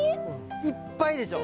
いっぱいでしょ。